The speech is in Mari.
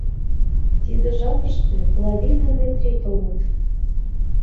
Тиде жапыште Клави ден Метри толыт.